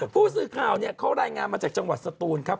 ผู้สื่อข่าวเขารายงานมาจากจังหวัดสตูนครับ